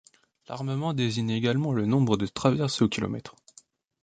L'armement désigne également le nombre de traverses au kilomètre.